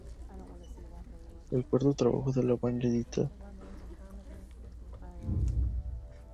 El cuarto trabajo de la banda se edita en junio bajo el título "Juju".